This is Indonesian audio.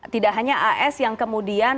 tidak hanya as yang kemudian